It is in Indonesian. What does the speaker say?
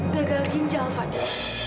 gagal ginjal fadil